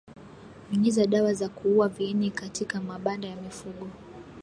Nyunyiza dawa za kuua viini katika mabanda ya mifugo